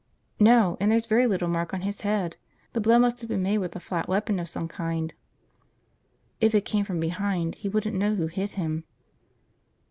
"No. And there's very little mark on his head. The blow must have been made with a flat weapon of some kind." "If it came from behind, he wouldn't know who hit him."